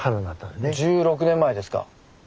１６年前ですか。